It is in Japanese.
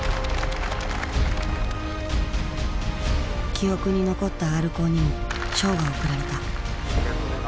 記憶に残ったＲコーにも賞が贈られた。